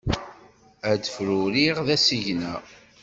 Ad fruriɣ d asigna.